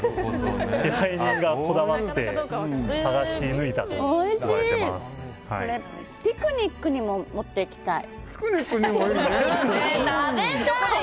支配人がこだわってピクニックにも持っていきたい。